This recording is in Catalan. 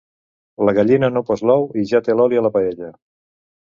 La gallina no ha post l'ou, i ja té l'oli a la paella.